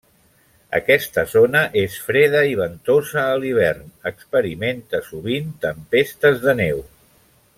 Aquesta zona és freda i ventosa a l'hivern, experiment sovint tempestes de neu.